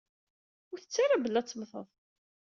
Ur tettu ara belli ad temmteḍ.